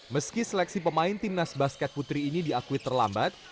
meski seleksi pemain timnas basket putri ini diakui terlambat